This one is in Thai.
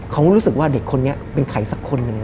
เขาก็รู้สึกว่าเด็กคนนี้เป็นใครสักคนหนึ่ง